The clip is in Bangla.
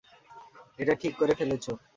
এটা ঠিক করে ফেলেছ।